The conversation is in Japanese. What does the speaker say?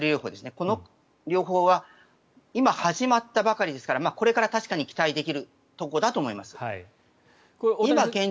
この療法は今、始まったばかりですからこれから確かに期待できるところだと思います。